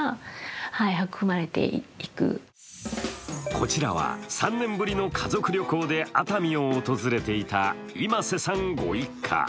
こちらは３年ぶりの家族旅行で熱海を訪れていた今瀬さんご一家。